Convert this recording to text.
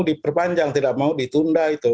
diperpanjang tidak mau ditunda itu